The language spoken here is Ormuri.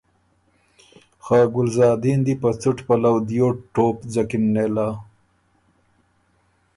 خه ګلزادین دی په څُټ پلؤ دیو ټوپ ځکِن نېله۔